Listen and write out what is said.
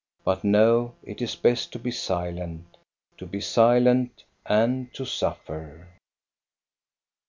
But no, it is best to be silent, to be silent and to suffer.